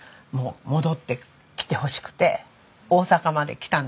戻ってきてほしくて大阪まで来たんですよ。